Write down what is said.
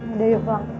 udah yuk lang